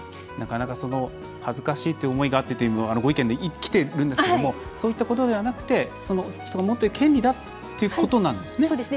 恥ずかしいという思いがあってというのもご意見でもきているんですけどもそういうことではなくてその人が持っている権利だということなんですね。